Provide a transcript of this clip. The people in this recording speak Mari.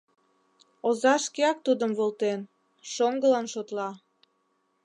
Оза шкеак тудым волтен, шоҥгылан шотла.